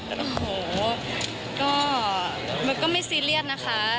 โอ้โฮก็ไม่ซีเรียสนะคะ